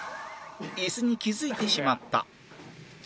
椅子に気づいてしまった